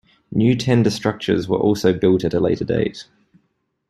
New tender structures were also built at a later date.